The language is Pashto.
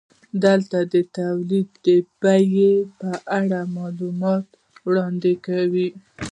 دلته د تولید د بیې په اړه معلومات وړاندې کوو